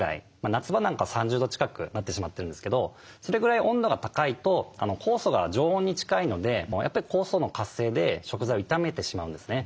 夏場なんか３０度近くなってしまってるんですけどそれぐらい温度が高いと酵素が常温に近いのでやっぱり酵素の活性で食材を傷めてしまうんですね。